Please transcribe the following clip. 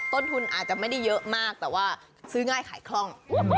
ต้นทุนอาจจะไม่ได้เยอะมากแต่ว่าซื้อง่ายขายคล่อง